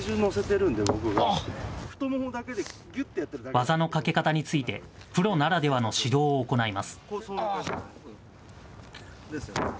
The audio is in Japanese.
技のかけ方について、プロならではの指導を行います。